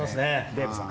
デーブさん。